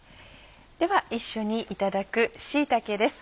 では一緒にいただく椎茸です。